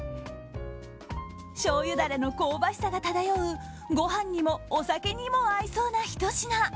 しょうゆダレの香ばしさが漂うご飯にもお酒にも合いそうなひと品。